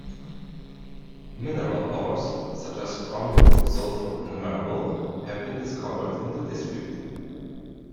Mineral ores such as chromium, sulphur, and marble have been discovered in the district.